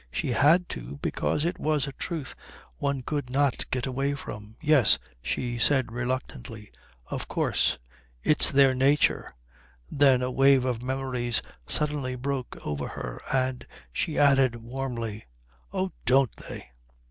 She had to, because it was a truth one could not get away from. "Yes," she said, reluctantly. "Of course. It's their nature." Then a wave of memories suddenly broke over her, and she added warmly "Oh don't they!"